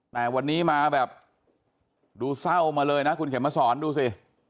แต่วันนี้มาแบบดูเศร้ามาเลยนะคุณเข็มมาสอนดูสิ